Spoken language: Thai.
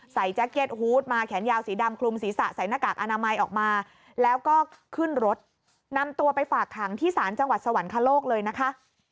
แจ็คเก็ตฮูตมาแขนยาวสีดำคลุมศีรษะใส่หน้ากากอนามัยออกมาแล้วก็ขึ้นรถนำตัวไปฝากขังที่ศาลจังหวัดสวรรคโลกเลยนะคะ